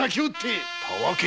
たわけ！